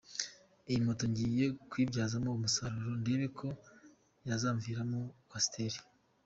Iyi moto ngiye kuyibyazamo umusaruro ndebe ko yazamviramo kwasiteri.